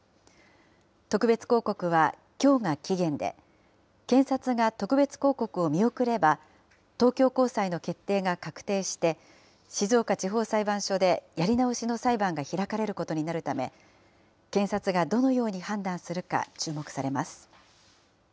特別抗告はきょうが期限で、検察が特別抗告を見送れば、東京高裁の決定が確定して、静岡地方裁判所でやり直しの裁判が開かれることになるため、検察がどのように判断するか、注目されます。